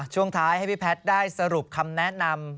ช่วงท้ายให้พี่แพทย์ได้สรุปคำแนะนำ